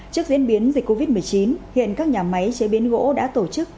trước diễn biến dịch covid một mươi chín hiện các nhà máy chế biến gỗ đã tổ chức